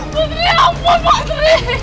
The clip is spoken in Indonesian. putri ampun putri